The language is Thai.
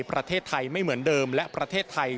ประเทศไทยไม่เหมือนเดิมและประเทศไทย